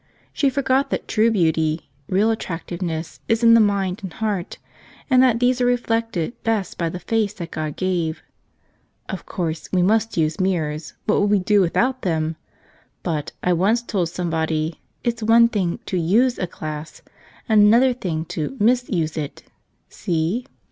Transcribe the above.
She forgot that true beauty, real attractiveness, is in the mind and heart, and that these are reflected best by the face that God gave. (Of course, we must use mirrors — what would we do without them? — but, I once told some¬ body, it's one thing to use a glass and another thing to misuse it — see?)